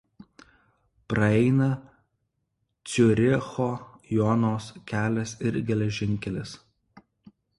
Praeina Ciuricho–Jonos kelias ir geležinkelis.